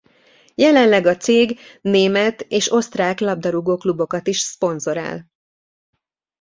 Jelenleg a cég német és osztrák labdarúgó klubokat is szponzorál.